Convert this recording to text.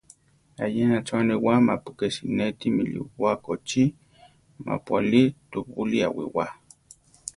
Ayena cho aniwá mapu ké sinéti milibóa kóchi mápu alí tubúli awíwa.